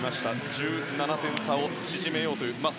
１７点差を縮めようというところ。